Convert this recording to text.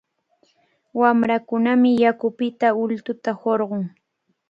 Wamrakunami yakupita ultuta hurqun.